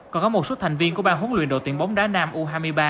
còn có một số thành viên của bang huấn luyện đội tuyển bóng đá nam u hai mươi ba